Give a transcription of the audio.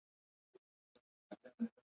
ازادي راډیو د د ځنګلونو پرېکول پرمختګ سنجولی.